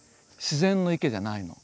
自然の池じゃないの。